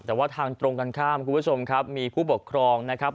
แต่ว่าทางตรงกันข้ามคุณผู้ชมครับมีผู้ปกครองนะครับ